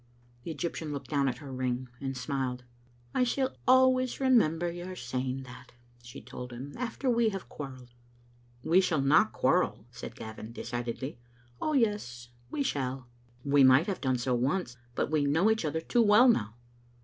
The Egyptian looked down at her ring, and smiled. " I shall always remember your saying that," she told him, "after we have quarrelled." "We shall not quarrel," said Gavin, decidedly. "Oh, yes, we shall." "We might have done so once, but we know each other too well now."